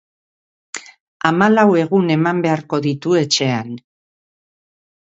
Hamalau egun eman beharko ditu etxean.